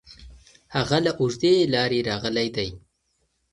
هغه له اوږدې لارې راغلی دی.